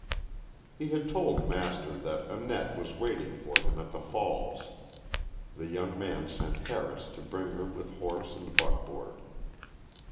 He had told Master that Annette was waiting for him at the Falls. The young man sent Harris to bring her with horse and buckboard.